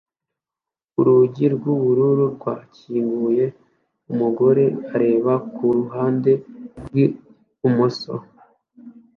Urugi rwubururu rwakinguye umugore ureba kuruhande rwibumoso